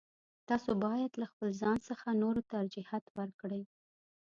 تاسو باید له خپل ځان څخه نورو ته ارجحیت ورکړئ.